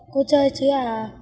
cô chơi chứ là